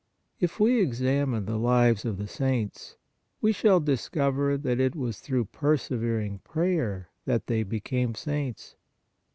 If we examine the lives of the saints, we shall discover that it was through persevering prayer that they became saints.